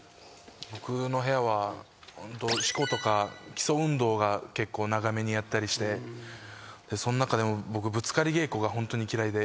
僕の部屋は四股とか基礎運動を結構長めにやったりしてその中でも僕ぶつかり稽古がホントに嫌いで。